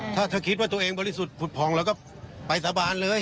ถ้าเธอคิดว่าตัวเองบริสุทธิ์ผุดผ่องเราก็ไปสาบานเลย